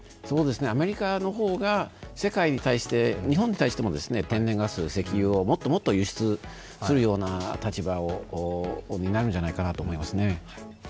アメリカの方が世界に対して、日本に対しても天然ガス、石油をもっともっと輸出するような立場になるんじゃないかなと思いますね。